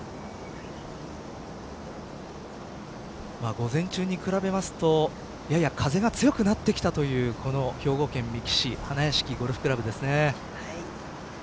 午前中に比べますとやや風が強くなってきたというこの兵庫県三木市花屋敷ゴルフ倶楽部ですね。